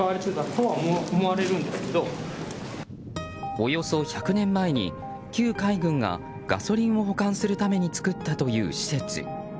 およそ１００年前に旧海軍がガソリンを保管するために造ったという施設。